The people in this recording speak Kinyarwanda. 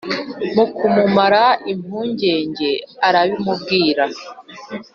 Mu kumumara impungenge arabimubwira,